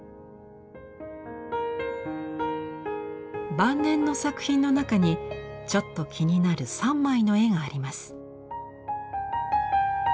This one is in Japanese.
晩年の作品の中にちょっと気になる３枚の絵があります。